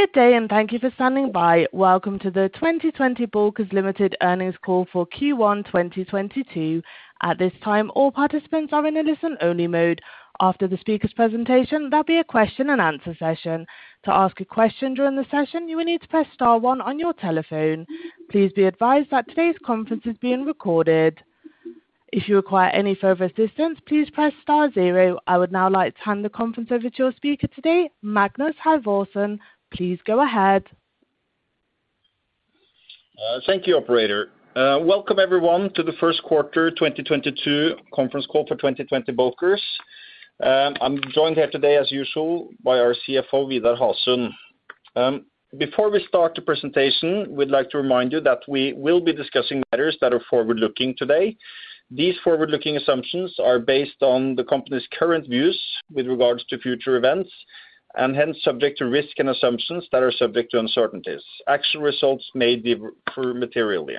Good day, and thank you for standing by. Welcome to the 2020 Bulkers Ltd earnings call for Q1 2022. At this time, all participants are in a listen-only mode. After the speaker's presentation, there'll be a question and answer session. To ask a question during the session, you will need to press star one on your telephone. Please be advised that today's conference is being recorded. If you require any further assistance, please press star zero. I would now like to hand the conference over to your speaker today, Magnus Halvorsen. Please go ahead. Thank you, operator. Welcome everyone to the first quarter 2022 conference call for 2020 Bulkers. I'm joined here today as usual by our CFO, Vidar Hasund. Before we start the presentation, we'd like to remind you that we will be discussing matters that are forward-looking today. These forward-looking assumptions are based on the company's current views with regards to future events and hence subject to risks and uncertainties. Actual results may differ materially.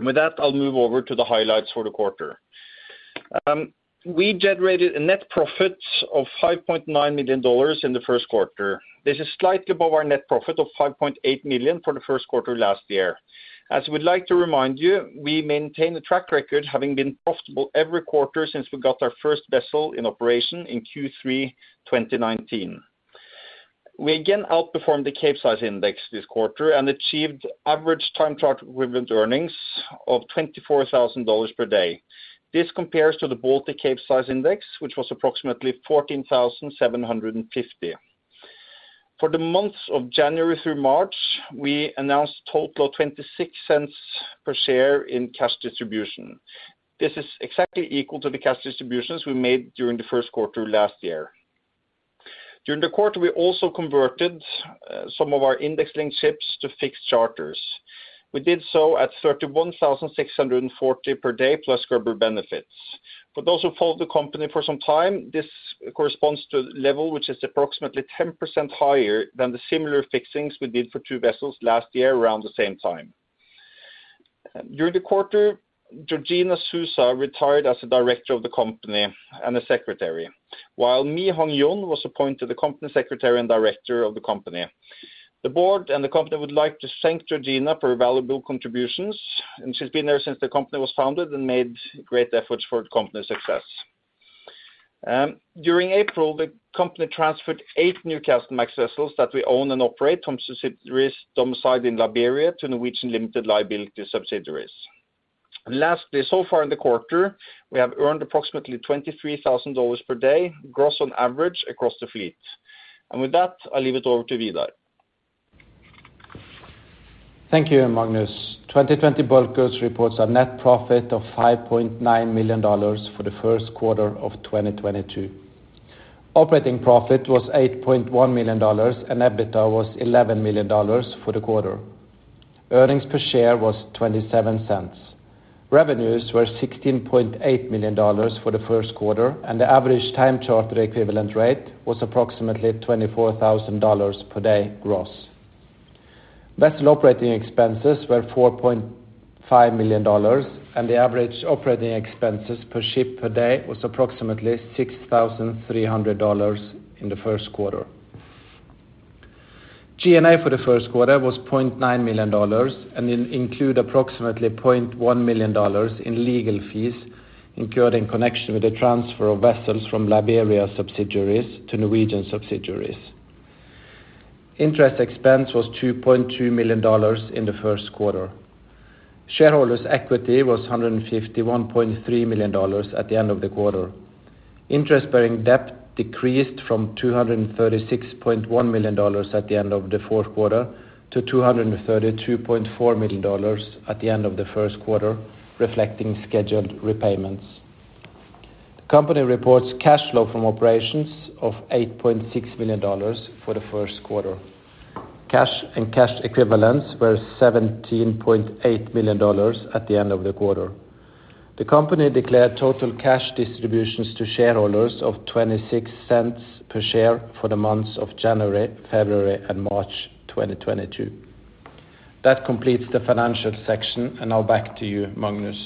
With that, I'll move over to the highlights for the quarter. We generated a net profit of $5.9 million in the first quarter. This is slightly above our net profit of $5.8 million for the first quarter last year. As we'd like to remind you, we maintain a track record having been profitable every quarter since we got our first vessel in operation in Q3 2019. We again outperformed the Baltic Capesize Index this quarter and achieved average time charter equivalent earnings of $24,000 per day. This compares to the Baltic Capesize Index, which was approximately 14,750. For the months of January through March, we announced a total of $0.26 per share in cash distribution. This is exactly equal to the cash distributions we made during the first quarter last year. During the quarter, we also converted some of our index-linked ships to fixed charters. We did so at $31,640 per day plus scrubber benefits. For those who followed the company for some time, this corresponds to the level which is approximately 10% higher than the similar fixings we did for two vessels last year around the same time. During the quarter, Georgina Sousa retired as a director of the company and a secretary while Mi Hyung Yoon was appointed the company secretary and director of the company. The board and the company would like to thank Georgina for her valuable contributions, and she's been there since the company was founded and made great efforts for the company's success. During April, the company transferred eight Newcastlemax vessels that we own and operate from subsidiaries domiciled in Liberia to Norwegian limited liability subsidiaries. Lastly, so far in the quarter, we have earned approximately $23,000 per day gross on average across the fleet. With that, I leave it over to Vidar. Thank you, Magnus. 2020 Bulkers reports a net profit of $5.9 million for the first quarter of 2022. Operating profit was $8.1 million, and EBITDA was $11 million for the quarter. Earnings per share was $0.27. Revenues were $16.8 million for the first quarter, and the average time charter equivalent rate was approximately $24,000 per day gross. Vessel operating expenses were $4.5 million, and the average operating expenses per ship per day was approximately $6,300 in the first quarter. G&A for the first quarter was $0.9 million and include approximately $0.1 million in legal fees incurred in connection with the transfer of vessels from Liberia subsidiaries to Norwegian subsidiaries. Interest expense was $2.2 million in the first quarter. Shareholders' equity was $151.3 million at the end of the quarter. Interest-bearing debt decreased from $236.1 million at the end of the fourth quarter to $232.4 million at the end of the first quarter, reflecting scheduled repayments. The company reports cash flow from operations of $8.6 million for the first quarter. Cash and cash equivalents were $17.8 million at the end of the quarter. The company declared total cash distributions to shareholders of $0.26 per share for the months of January, February, and March 2022. That completes the financial section, and now back to you, Magnus.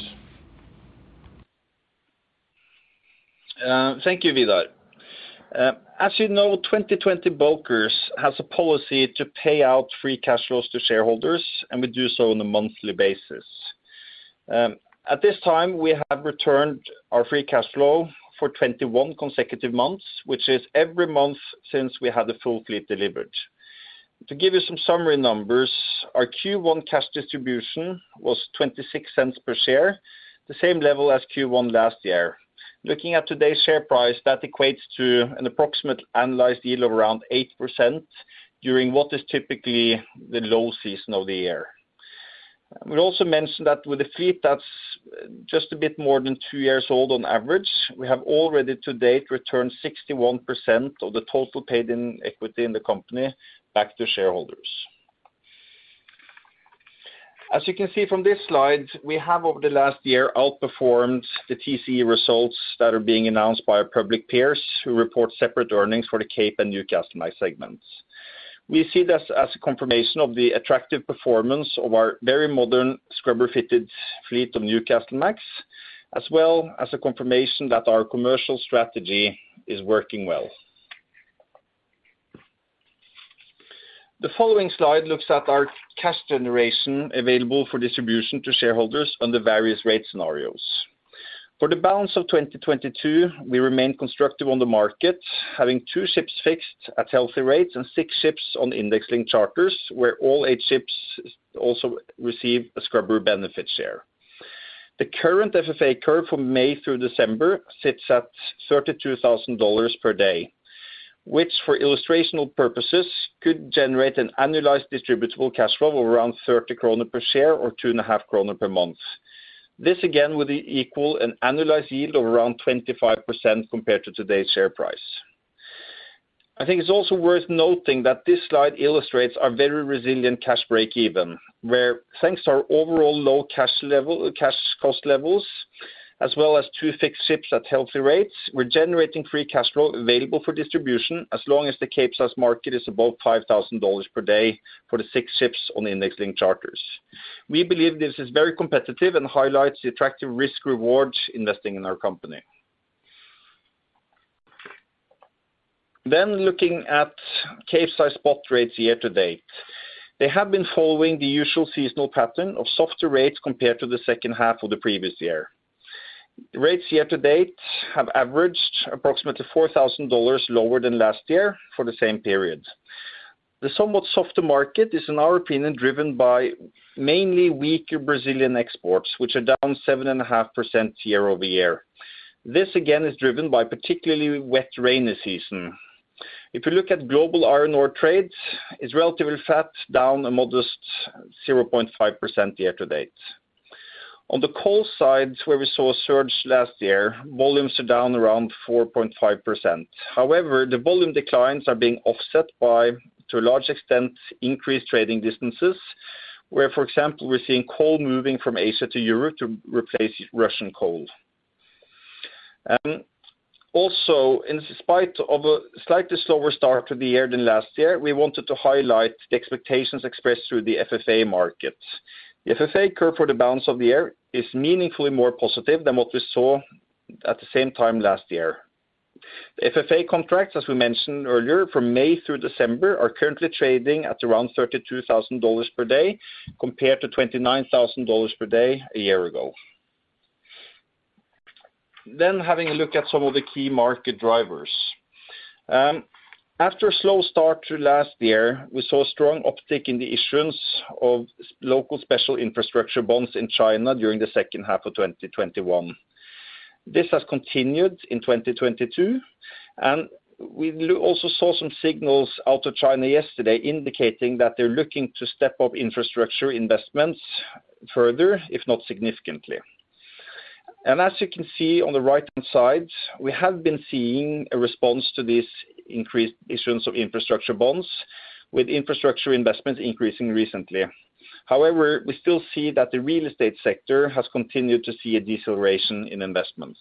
Thank you, Vidar. As you know, 2020 Bulkers has a policy to pay out free cash flows to shareholders, and we do so on a monthly basis. At this time, we have returned our free cash flow for 21 consecutive months, which is every month since we had the full fleet delivered. To give you some summary numbers, our Q1 cash distribution was $0.26 per share, the same level as Q1 last year. Looking at today's share price, that equates to an approximate annualized yield of around 8% during what is typically the low season of the year. We also mentioned that with a fleet that's just a bit more than 2 years old on average, we have already to date returned 61% of the total paid-in equity in the company back to shareholders. As you can see from this slide, we have over the last year outperformed the TCE results that are being announced by our public peers who report separate earnings for the Cape and Newcastlemax segments. We see this as a confirmation of the attractive performance of our very modern scrubber-fitted fleet of Newcastlemax. As well as a confirmation that our commercial strategy is working well. The following slide looks at our cash generation available for distribution to shareholders under various rate scenarios. For the balance of 2022, we remain constructive on the market, having 2 ships fixed at healthy rates and 6 ships on index-linked charters, where all 8 ships also receive a scrubber benefit share. The current FFA curve from May through December sits at $32,000 per day, which for illustrational purposes could generate an annualized distributable cash flow of around 30 kroner per share or 2.5 per month. This again would equal an annualized yield of around 25% compared to today's share price. I think it's also worth noting that this slide illustrates our very resilient cash breakeven, where thanks to our overall low cash level, cash cost levels, as well as two fixed ships at healthy rates, we're generating free cash flow available for distribution as long as the Capesize market is above $5,000 per day for the six ships on the index-linked charters. We believe this is very competitive and highlights the attractive risk-reward investing in our company. Looking at Capesize spot rates year to date. They have been following the usual seasonal pattern of softer rates compared to the second half of the previous year. Rates year to date have averaged approximately $4,000 lower than last year for the same period. The somewhat softer market is, in our opinion, driven by mainly weaker Brazilian exports, which are down 7.5% year over year. This again is driven by particularly wet rainy season. If you look at global iron ore trades, it's relatively flat, down a modest 0.5% year to date. On the coal side, where we saw a surge last year, volumes are down around 4.5%. However, the volume declines are being offset by, to a large extent, increased trading distances, where, for example, we're seeing coal moving from Asia to Europe to replace Russian coal. Also, in spite of a slightly slower start to the year than last year, we wanted to highlight the expectations expressed through the FFA market. The FFA curve for the balance of the year is meaningfully more positive than what we saw at the same time last year. The FFA contracts, as we mentioned earlier, from May through December, are currently trading at around $32,000 per day, compared to $29,000 per day a year ago. Having a look at some of the key market drivers. After a slow start to last year, we saw a strong uptick in the issuance of local special infrastructure bonds in China during the second half of 2021. This has continued in 2022, and we also saw some signals out of China yesterday indicating that they're looking to step up infrastructure investments further, if not significantly. As you can see on the right-hand side, we have been seeing a response to this increased issuance of infrastructure bonds, with infrastructure investments increasing recently. However, we still see that the real estate sector has continued to see a deceleration in investments.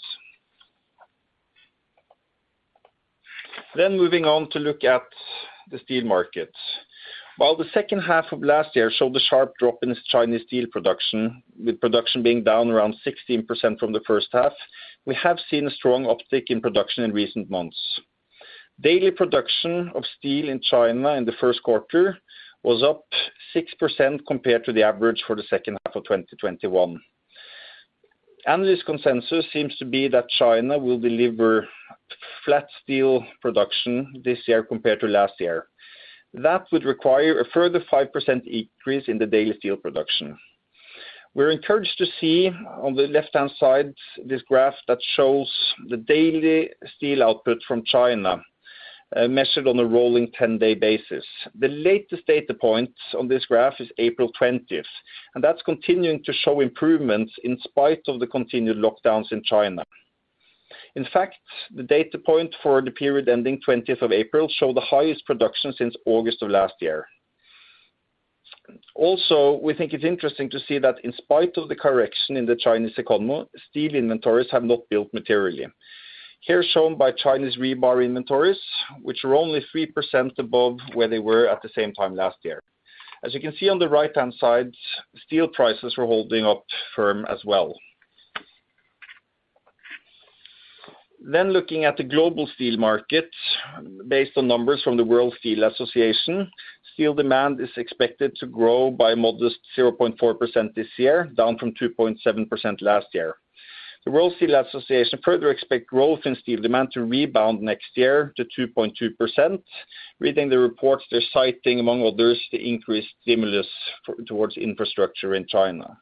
Moving on to look at the steel market. While the second half of last year showed a sharp drop in Chinese steel production, with production being down around 16% from the first half, we have seen a strong uptick in production in recent months. Daily production of steel in China in the first quarter was up 6% compared to the average for the second half of 2021. Analyst consensus seems to be that China will deliver flat steel production this year compared to last year. That would require a further 5% increase in the daily steel production. We're encouraged to see on the left-hand side this graph that shows the daily steel output from China, measured on a rolling 10-day basis. The latest data point on this graph is April twentieth, and that's continuing to show improvements in spite of the continued lockdowns in China. In fact, the data point for the period ending twentieth of April show the highest production since August of last year. Also, we think it's interesting to see that in spite of the correction in the Chinese economy, steel inventories have not built materially. Here shown by Chinese rebar inventories, which are only 3% above where they were at the same time last year. As you can see on the right-hand side, steel prices were holding up firm as well. Looking at the global steel market based on numbers from the World Steel Association, steel demand is expected to grow by modest 0.4% this year, down from 2.7% last year. The World Steel Association further expect growth in steel demand to rebound next year to 2.2%. Reading the reports they're citing, among others, the increased stimulus towards infrastructure in China.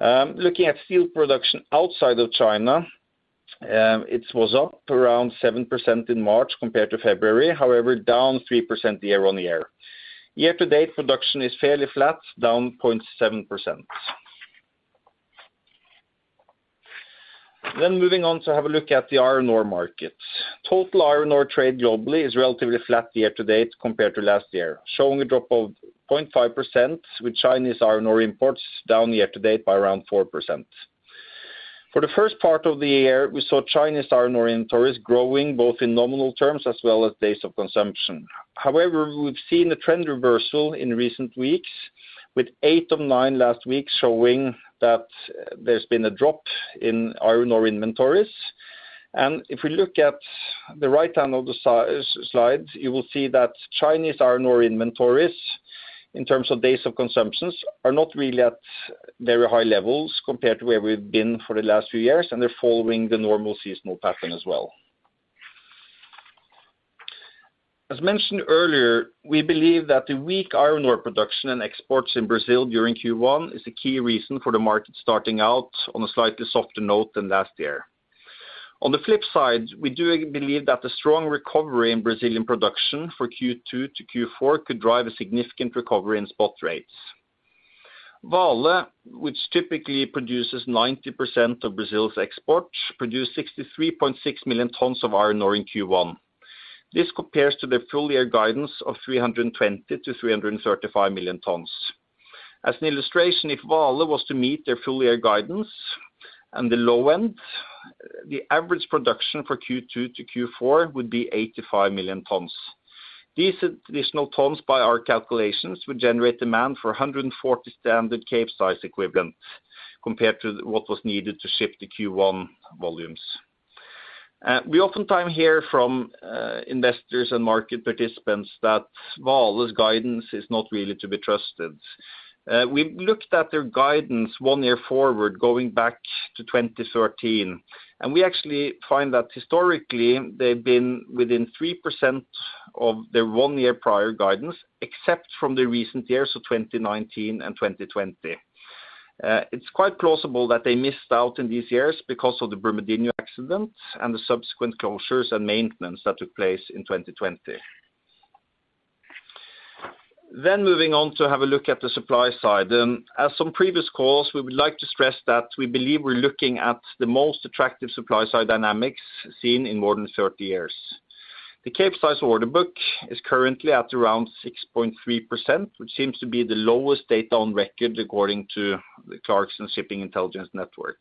Looking at steel production outside of China, it was up around 7% in March compared to February, however, down 3% year-on-year. Year-to-date production is fairly flat, down 0.7%. Moving on to have a look at the iron ore market. Total iron ore trade globally is relatively flat year to date compared to last year, showing a drop of 0.5%, with Chinese iron ore imports down year to date by around 4%. For the first part of the year, we saw Chinese iron ore inventories growing both in nominal terms as well as days of consumption. However, we've seen a trend reversal in recent weeks. With eight of nine last weeks showing that there's been a drop in iron ore inventories. If we look at the right-hand side of the slide, you will see that Chinese iron ore inventories in terms of days of consumption are not really at very high levels compared to where we've been for the last few years, and they're following the normal seasonal pattern as well. As mentioned earlier, we believe that the weak iron ore production and exports in Brazil during Q1 is a key reason for the market starting out on a slightly softer note than last year. On the flip side, we do believe that the strong recovery in Brazilian production for Q2 to Q4 could drive a significant recovery in spot rates. Vale, which typically produces 90% of Brazil's exports, produced 63.6 million tons of iron ore in Q1. This compares to their full year guidance of 320-335 million tons. As an illustration, if Vale was to meet their full year guidance and the low end, the average production for Q2 to Q4 would be 85 million tons. These additional tons, by our calculations, would generate demand for 140 standard Capesize equivalent compared to what was needed to ship the Q1 volumes. We oftentimes hear from investors and market participants that Vale's guidance is not really to be trusted. We looked at their guidance one year forward, going back to 2013, and we actually find that historically they've been within 3% of their one-year prior guidance, except from the recent years, so 2019 and 2020. It's quite plausible that they missed out in these years because of the Brumadinho accident and the subsequent closures and maintenance that took place in 2020. Moving on to have a look at the supply side. As some previous calls, we would like to stress that we believe we're looking at the most attractive supply side dynamics seen in more than 30 years. The Capesize order book is currently at around 6.3%, which seems to be the lowest data on record according to the Clarksons Shipping Intelligence Network.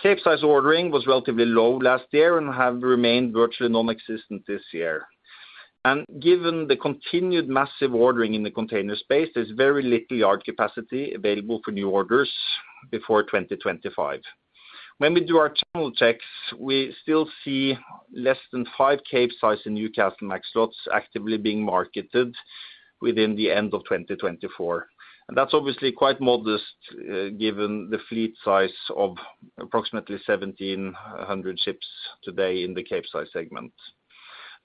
Capesize ordering was relatively low last year and have remained virtually non-existent this year. Given the continued massive ordering in the container space, there's very little yard capacity available for new orders before 2025. When we do our channel checks, we still see less than 5 Capesize in Newcastlemax slots actively being marketed within the end of 2024. That's obviously quite modest, given the fleet size of approximately 1,700 ships today in the Capesize segment.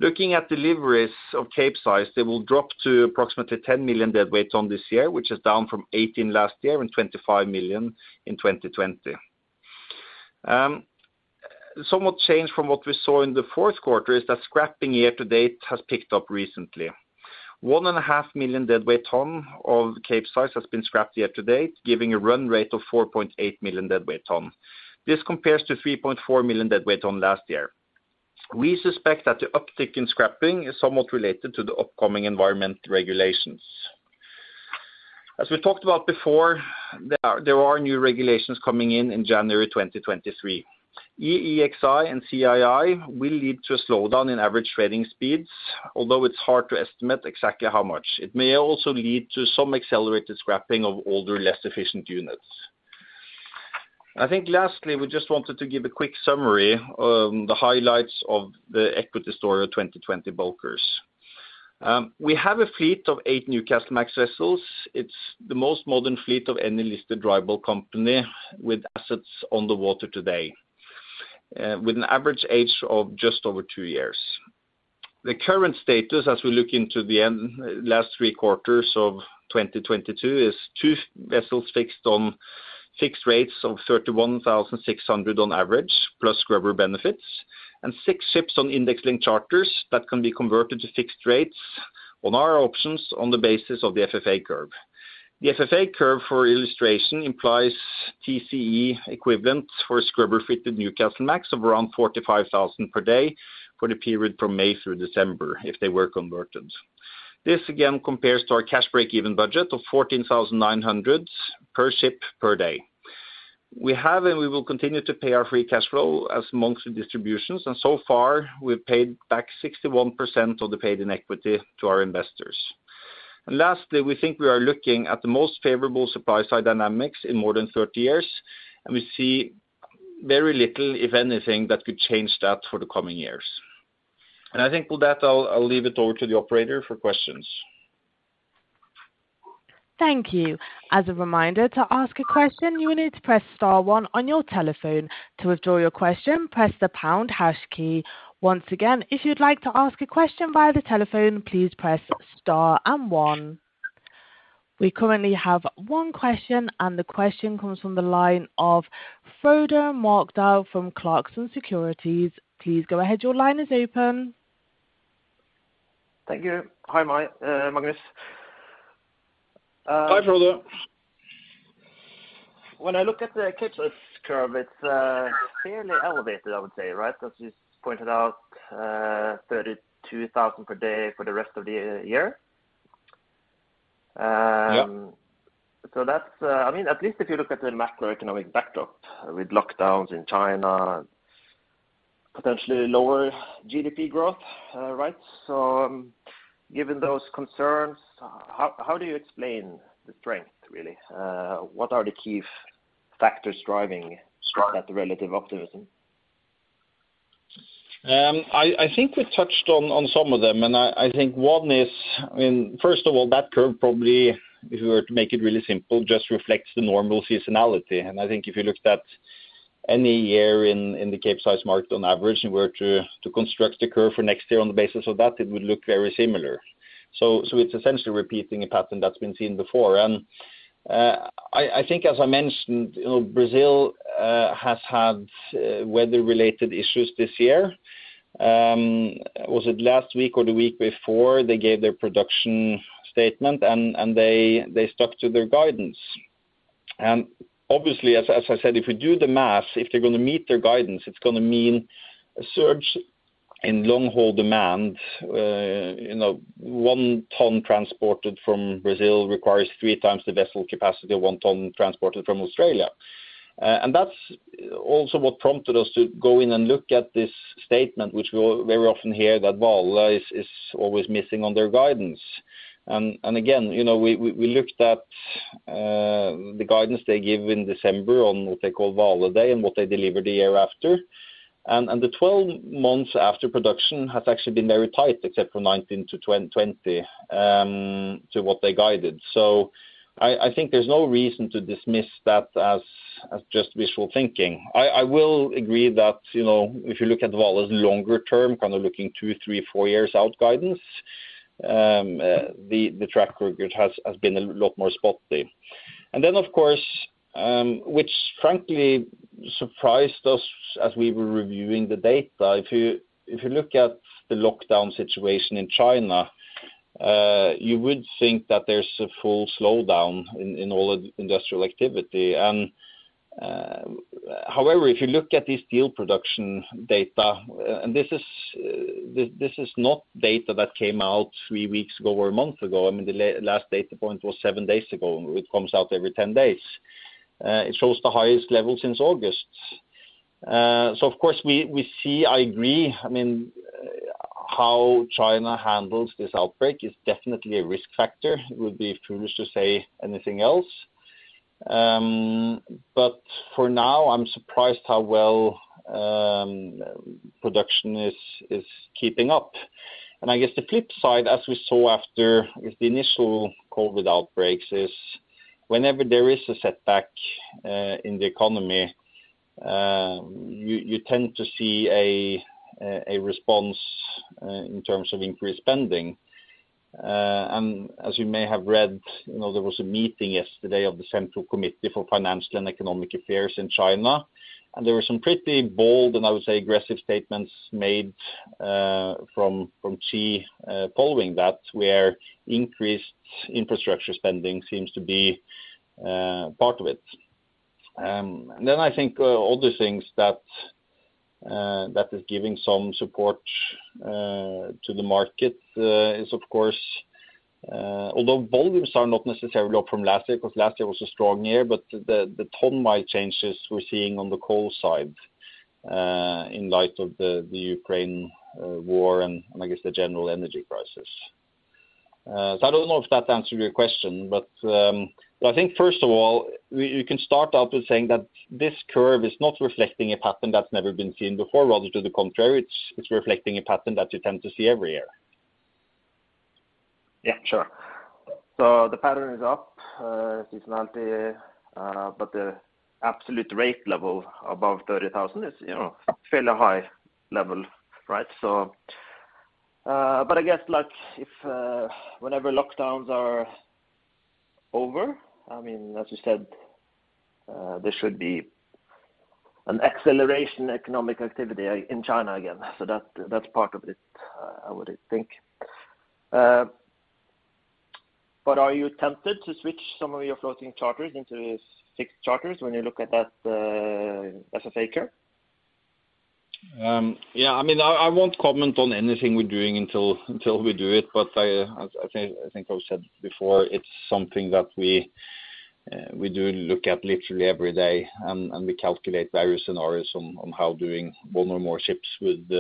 Looking at deliveries of Capesize, they will drop to approximately 10 million deadweight ton this year, which is down from 18 last year and 25 million in 2020. Somewhat changed from what we saw in the fourth quarter is that scrapping year to date has picked up recently. 1.5 million deadweight ton of Capesize has been scrapped year to date, giving a run rate of 4.8 million deadweight ton. This compares to 3.4 million deadweight ton last year. We suspect that the uptick in scrapping is somewhat related to the upcoming environmental regulations. As we talked about before, there are new regulations coming in in January 2023. EEXI and CII will lead to a slowdown in average trading speeds, although it's hard to estimate exactly how much. It may also lead to some accelerated scrapping of older, less efficient units. I think lastly, we just wanted to give a quick summary of the highlights of the equity story of 2020 Bulkers. We have a fleet of eight Newcastlemax vessels. It's the most modern fleet of any listed dry bulk company with assets on the water today, with an average age of just over two years. The current status, as we look into the last three quarters of 2022, is two vessels fixed on fixed rates of $31,600 on average, plus scrubber benefits, and six ships on index-linked charters that can be converted to fixed rates on our options on the basis of the FFA curve. The FFA curve, for illustration, implies TCE equivalent for scrubber-fitted Newcastlemax of around $45,000 per day for the period from May through December if they were converted. This again compares to our cash break-even budget of $14,900 per ship per day. We have and we will continue to pay our free cash flow as monthly distributions, and so far, we've paid back 61% of the paid in equity to our investors. Lastly, we think we are looking at the most favorable supply side dynamics in more than 30 years, and we see very little, if anything, that could change that for the coming years. I think with that, I'll leave it over to the operator for questions. Thank you. As a reminder, to ask a question, you need to press star one on your telephone. To withdraw your question, press the pound hash key. Once again, if you'd like to ask a question via the telephone, please press star and one. We currently have one question, and the question comes from the line of Frode Mørkedal from Clarksons Securities. Please go ahead. Your line is open. Thank you. Hi, Magnus. Hi, Frode. When I look at the Capesize curve, it's fairly elevated, I would say, right? Because you pointed out $32,000 per day for the rest of the year. Yeah. That's, I mean, at least if you look at the macroeconomic backdrop with lockdowns in China. Potentially lower GDP growth, right? Given those concerns, how do you explain the strength really? What are the key factors driving that relative optimism? I think we've touched on some of them. I mean, first of all, that curve probably, if we were to make it really simple, just reflects the normal seasonality. I think if you looked at any year in the Capesize market on average, and were to construct the curve for next year on the basis of that, it would look very similar. It's essentially repeating a pattern that's been seen before. I think as I mentioned, you know, Brazil has had weather-related issues this year. Was it last week or the week before they gave their production statement and they stuck to their guidance. Obviously, as I said, if you do the math, if they're gonna meet their guidance, it's gonna mean a surge in long-haul demand. You know, one ton transported from Brazil requires three times the vessel capacity of one ton transported from Australia. That's also what prompted us to go in and look at this statement, which we very often hear that Vale is always missing on their guidance. Again, you know, we looked at the guidance they gave in December on what they call Vale Day and what they delivered the year after. The 12 months after production has actually been very tight, except from 2019 to 2020, to what they guided. I think there's no reason to dismiss that as just wishful thinking. I will agree that, you know, if you look at Vale as longer term, kind of looking two, three, four years out guidance, the track record has been a lot more spotty. Then, of course, which frankly surprised us as we were reviewing the data. If you look at the lockdown situation in China, you would think that there's a full slowdown in all industrial activity. However, if you look at the steel production data, and this is not data that came out three weeks ago or a month ago. I mean, the last data point was seven days ago. It comes out every 10 days. It shows the highest level since August. So of course, we see, I agree. I mean, how China handles this outbreak is definitely a risk factor. It would be foolish to say anything else. For now, I'm surprised how well production is keeping up. I guess the flip side, as we saw after the initial COVID outbreaks, is whenever there is a setback in the economy, you tend to see a response in terms of increased spending. As you may have read, you know, there was a meeting yesterday of the Central Committee for Financial and Economic Affairs in China, and there were some pretty bold, and I would say aggressive statements made from Xi following that, where increased infrastructure spending seems to be part of it. I think other things that is giving some support to the market is of course, although volumes are not necessarily up from last year, because last year was a strong year, but the ton mile changes we're seeing on the coal side, in light of the Ukraine war and I guess the general energy crisis. I don't know if that answered your question, but I think first of all, you can start out with saying that this curve is not reflecting a pattern that's never been seen before. Rather to the contrary, it's reflecting a pattern that you tend to see every year. Yeah, sure. The pattern is up, seasonality, but the absolute rate level above 30,000 is, you know, fairly high level, right? But I guess, like, if whenever lockdowns are over, I mean, as you said, there should be an acceleration of economic activity in China again. That's part of it, I would think. But are you tempted to switch some of your floating charters into fixed charters when you look at that, as a figure? Yeah. I mean, I won't comment on anything we're doing until we do it, but I think I've said before, it's something that we do look at literally every day and we calculate various scenarios on how doing one or more ships would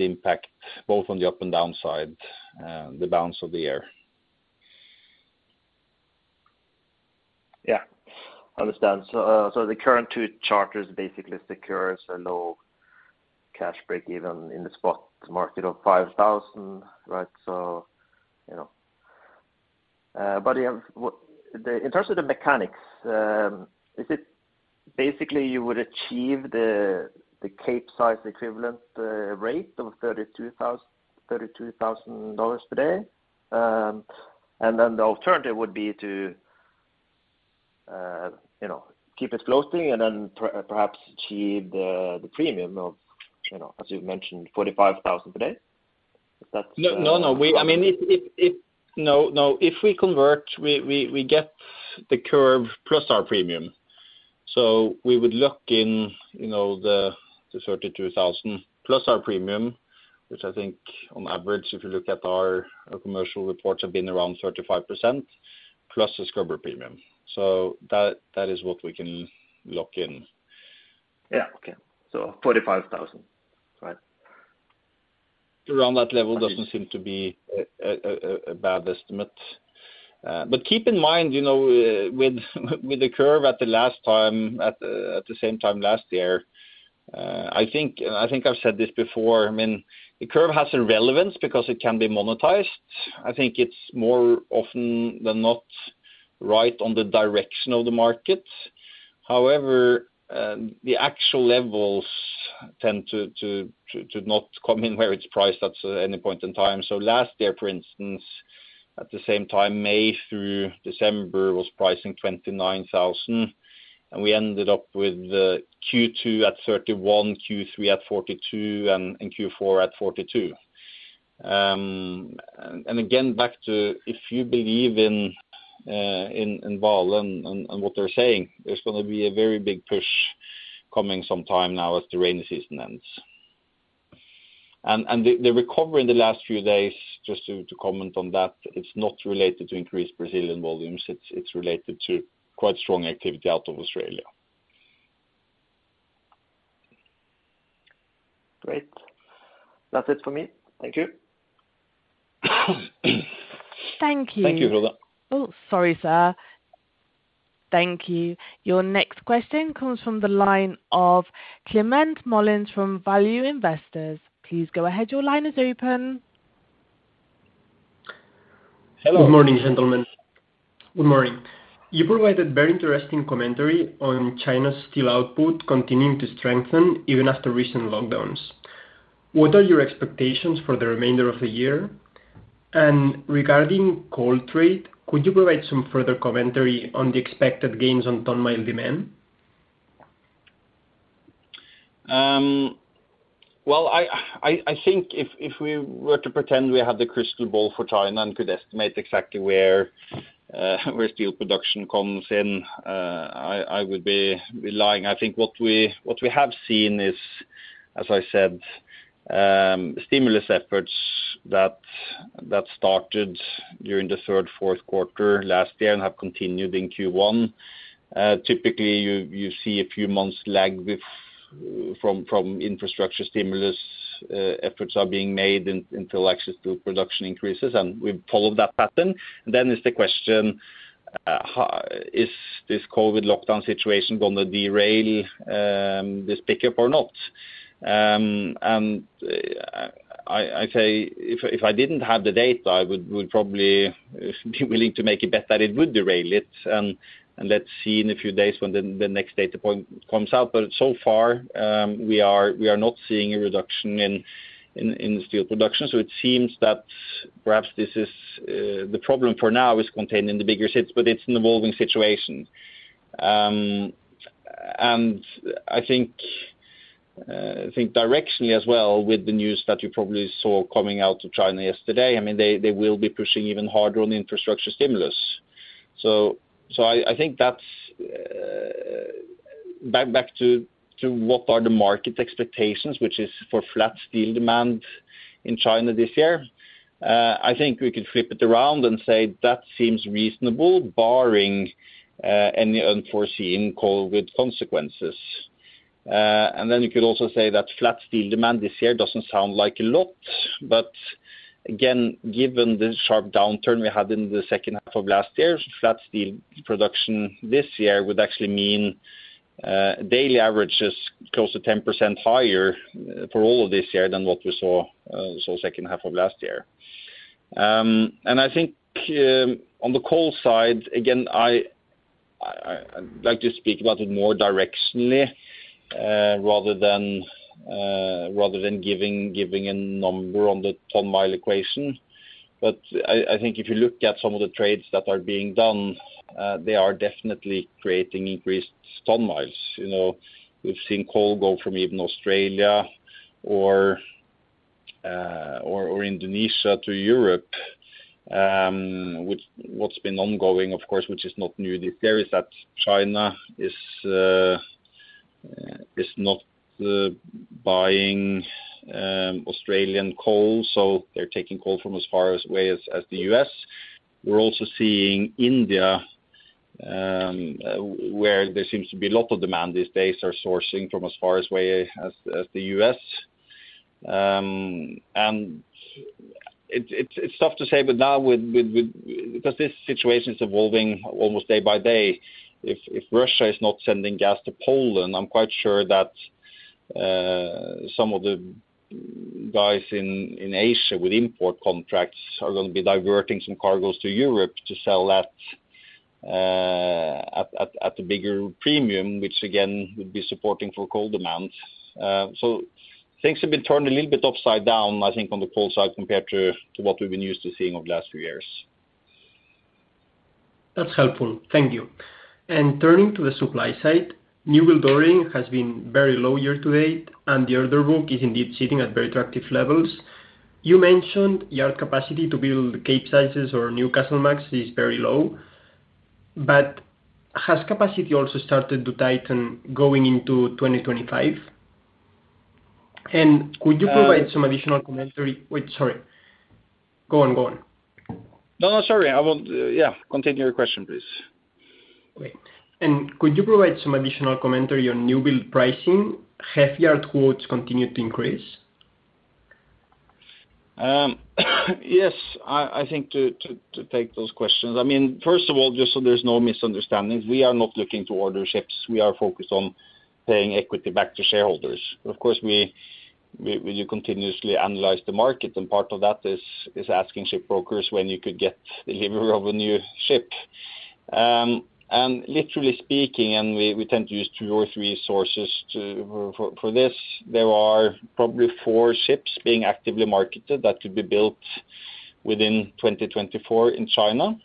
impact both on the up and down side, the balance of the year. Yeah. Understand. The current two charters basically secures a low cash breakeven in the spot market of $5,000, right? You know. But what in terms of the mechanics is it basically you would achieve the Capesize equivalent rate of $32,000 per day? And then the alternative would be to you know keep it floating and then perhaps achieve the premium of you know as you've mentioned $45,000 per day? Is that? No. I mean, no. If we convert, we get the curve plus our premium. We would look at, you know, the $32,000 plus our premium, which I think on average, if you look at our commercial reports, have been around 35%. Plus the scrubber premium. That is what we can lock in. Yeah. Okay. 45,000, right? Around that level doesn't seem to be a bad estimate. Keep in mind, you know, with the curve at the same time last year, I think I've said this before. I mean, the curve has a relevance because it can be monetized. I think it's more often than not right on the direction of the market. However, the actual levels tend to not come in where it's priced at any point in time. Last year, for instance, at the same time, May through December was pricing $29,000, and we ended up with Q2 at $31,000, Q3 at $42,000, and Q4 at $42,000. Again, back to if you believe in Vale and what they're saying, there's gonna be a very big push coming sometime now as the rainy season ends. The recovery in the last few days, just to comment on that, it's not related to increased Brazilian volumes, it's related to quite strong activity out of Australia. Great. That's it for me. Thank you. Thank you. Thank you, Hilda. Oh, sorry, sir. Thank you. Your next question comes from the line of Clement Mullins from Value Investors. Please go ahead. Your line is open. Hello. Good morning, gentlemen. Good morning. You provided very interesting commentary on China's steel output continuing to strengthen even after recent lockdowns. What are your expectations for the remainder of the year? Regarding coal trade, could you provide some further commentary on the expected gains on ton mile demand? I think if we were to pretend we had the crystal ball for China and could estimate exactly where steel production comes in, I would be lying. I think what we have seen is, as I said, stimulus efforts that started during the third, fourth quarter last year and have continued in Q1. Typically, you see a few months lag from infrastructure stimulus efforts are being made until actual steel production increases, and we've followed that pattern. Then is the question, is this COVID lockdown situation gonna derail this pickup or not? I say if I didn't have the data, I would probably be willing to make a bet that it would derail it. Let's see in a few days when the next data point comes out. So far, we are not seeing a reduction in steel production, so it seems that perhaps this is the problem for now is contained in the biggest sectors, but it's an evolving situation. I think directionally as well with the news that you probably saw coming out of China yesterday, I mean, they will be pushing even harder on infrastructure stimulus. I think that's back to what are the market expectations, which is for flat steel demand in China this year. I think we could flip it around and say that seems reasonable barring any unforeseen COVID consequences. You could also say that flat steel demand this year doesn't sound like a lot. But again, given the sharp downturn we had in the second half of last year, flat steel production this year would actually mean daily averages close to 10% higher for all of this year than what we saw second half of last year. I think on the coal side, again, I'd like to speak about it more directionally rather than giving a number on the ton mile equation. But I think if you look at some of the trades that are being done, they are definitely creating increased ton miles. You know, we've seen coal go from even Australia or Indonesia to Europe, which what's been ongoing, of course, which is not new this year, is that China is not buying Australian coal, so they're taking coal from as far away as the U.S. We're also seeing India, where there seems to be a lot of demand these days, are sourcing from as far away as the US. It's tough to say, but now because this situation is evolving almost day by day. If Russia is not sending gas to Poland, I'm quite sure that some of the guys in Asia with import contracts are gonna be diverting some cargos to Europe to sell at a bigger premium, which again, would be supporting for coal demand. Things have been turned a little bit upside down, I think, on the coal side compared to what we've been used to seeing over the last few years. That's helpful. Thank you. Turning to the supply side, newbuilding has been very low year to date, and the order book is indeed sitting at very attractive levels. You mentioned your capacity to build Capesize or Newcastlemax is very low, but has capacity also started to tighten going into 2025? Could you provide some additional commentary? Wait, sorry. Go on. No, sorry. Yeah, continue your question, please. Great. Could you provide some additional commentary on new build pricing? Have yard quotes continued to increase? Yes. I think to take those questions. I mean, first of all, just so there's no misunderstandings, we are not looking to order ships. We are focused on paying equity back to shareholders. Of course, we continuously analyze the market, and part of that is asking ship brokers when you could get delivery of a new ship. Literally speaking, we tend to use two or three sources for this. There are probably four ships being actively marketed that could be built within 2024 in China.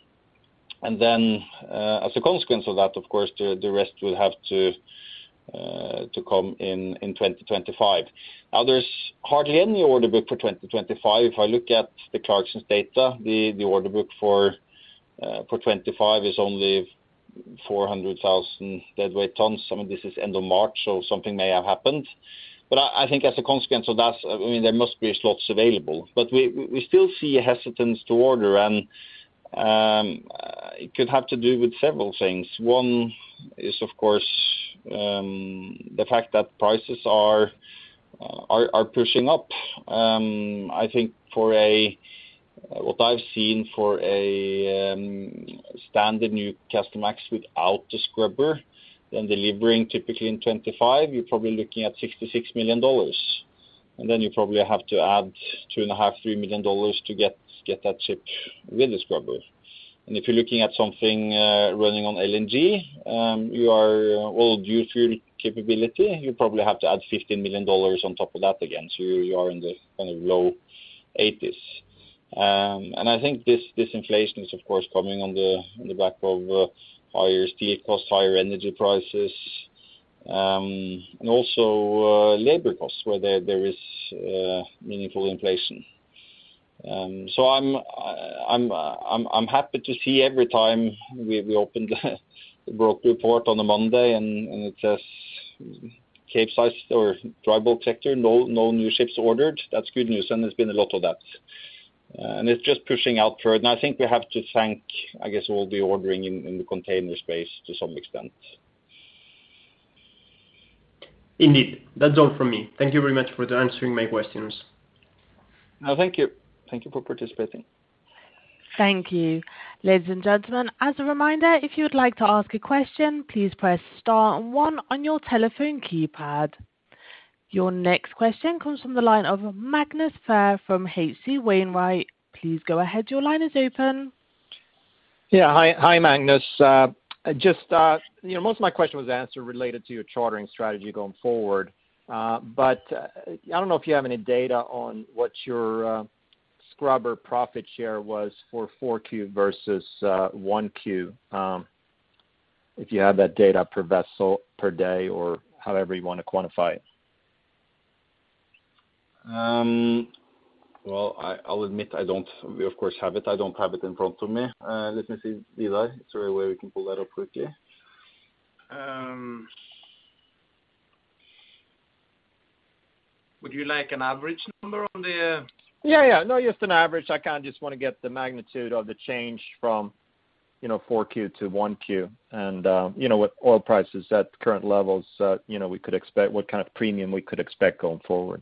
As a consequence of that, of course, the rest will have to come in in 2025. Now, there's hardly any order book for 2025. If I look at the Clarksons' data, the order book for 2025 is only 400,000 deadweight tons. Some of this is end of March, so something may have happened. I think as a consequence of that, I mean, there must be slots available. We still see a hesitance to order and it could have to do with several things. One is, of course, the fact that prices are pushing up. I think what I've seen for a standard Newcastlemax without the scrubber, then delivering typically in 2025, you're probably looking at $66 million. Then you probably have to add $2.5-$3 million to get that ship with the scrubber. If you're looking at something running on LNG, you are all dual-fuel capability, you probably have to add $15 million on top of that again. You are in the kind of low eighties. I think this inflation is of course coming on the back of higher steel costs, higher energy prices, and also labor costs where there is meaningful inflation. I'm happy to see every time we open the broker report on a Monday and it says Capesize or dry bulk sector, no new ships ordered. That's good news, and there's been a lot of that. It's just pushing out further. I think we have to thank, I guess, all the ordering in the container space to some extent. Indeed. That's all from me. Thank you very much for answering my questions. No, thank you. Thank you for participating. Thank you. Ladies and gentlemen, as a reminder, if you would like to ask a question, please press star one on your telephone keypad. Your next question comes from the line of Magnus Fhyr from H.C. Wainwright. Please go ahead. Your line is open. Yeah. Hi, Magnus. Just, you know, most of my question was answered related to your chartering strategy going forward. I don't know if you have any data on what your scrubber profit share was for 4Q versus 1Q. If you have that data per vessel, per day or however you wanna quantify it. Well, I'll admit, I don't. We of course have it. I don't have it in front of me. Let me see, Vidar, is there a way we can pull that up quickly? Would you like an average number on the? Yeah, yeah. No, just an average. I kinda just wanna get the magnitude of the change from, you know, 4Q to 1Q and, you know, with oil prices at current levels, you know, we could expect what kind of premium we could expect going forward.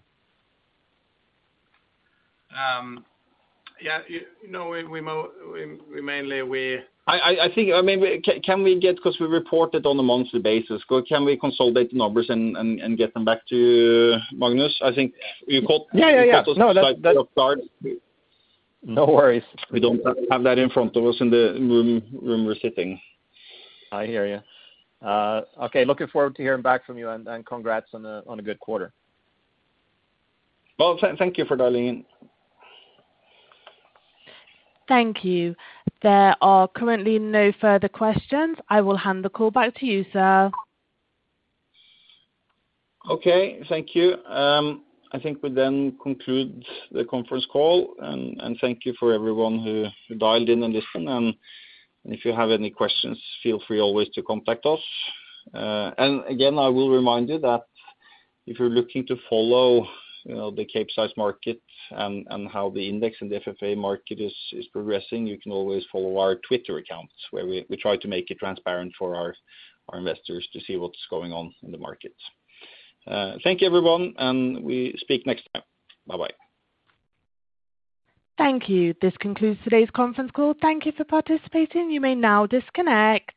No, we mainly I think, I mean, can we get 'cause we report it on a monthly basis. Can we consolidate the numbers and get them back to Magnus? I think you caught. Yeah. No, that's. You caught us quite off guard. No worries. We don't have that in front of us in the room we're sitting. I hear you. Okay. Looking forward to hearing back from you and congrats on a good quarter. Well, thank you for dialing. Thank you. There are currently no further questions. I will hand the call back to you, sir. Okay. Thank you. I think we conclude the conference call and thank you for everyone who dialed in and listened and if you have any questions, feel free always to contact us. I will remind you that if you're looking to follow, you know, the Capesize market and how the index and the FFA market is progressing, you can always follow our Twitter accounts where we try to make it transparent for our investors to see what's going on in the market. Thank you, everyone, and we speak next time. Bye-bye. Thank you. This concludes today's conference call. Thank you for participating. You may now disconnect.